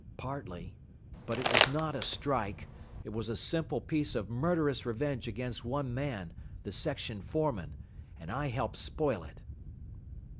"Partly. But it was not a strike. It was a simple piece of murderous revenge against one man, the section foreman. And I helped spoil it."